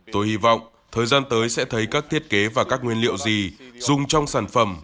tôi hy vọng thời gian tới sẽ thấy các thiết kế và các nguyên liệu gì dùng trong sản phẩm